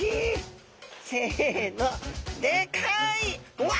せのでかい！わ！